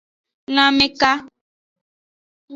Lanmeka.